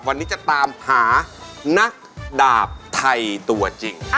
วันนี้จะตามหานักดาบไทยตัวจริง